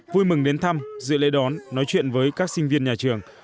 vui mừng đến thăm dự lễ đón nói chuyện với các sinh viên nhà trường